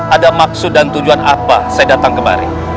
ada maksud dan tujuan apa saya datang kemari